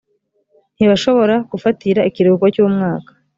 ntibashobora gufatira ikiruhuko cy’umwaka